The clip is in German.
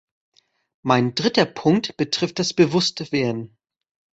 Mein dritter Punkt betrifft das Bewusstwerden.